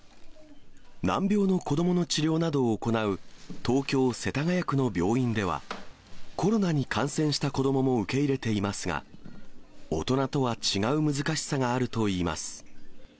難病のこどもの治療などを行う東京・世田谷区の病院では、コロナに感染した子どもも受け入れていますが、大人とは違う難しさがあるといいます。